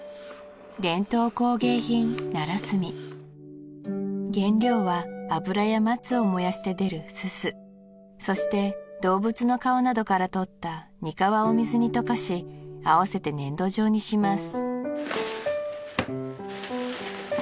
伝統工芸品奈良墨原料は油や松を燃やして出る煤そして動物の皮などから採った膠を水に溶かし合わせて粘土状にします